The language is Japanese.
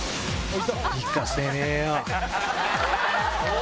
お！